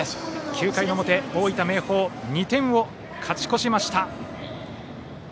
９回の表、大分・明豊２点を勝ち越しました。